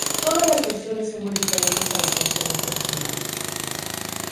Todas las versiones son muy diferentes a las canciones originales.